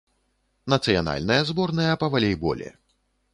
Нацыянальная зборная па валейболе.